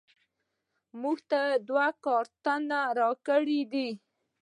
موږ ته دوه کارتونه راکړیدي